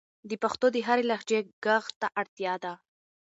د پښتو د هرې لهجې ږغ ته اړتیا ده.